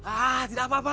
ah tidak apa apa